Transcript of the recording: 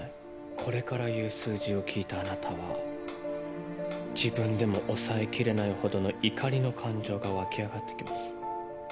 これから言う数字を聞いたあなたは自分でも抑えきれないほどの怒りの感情が沸き上がってきます。